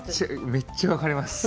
めっちゃ分かります。